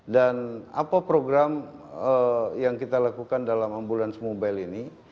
dan apa program yang kita lakukan dalam ambulans mobile ini